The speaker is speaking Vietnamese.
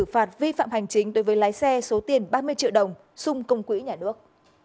phạt vi phạm hành chính đối với lái xe số tiền ba mươi triệu đồng xung công quỹ nhà nước